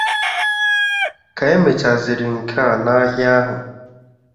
Ka e mechazịrị nke a n'ahịa ahụ